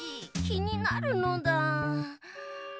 きになるのだ。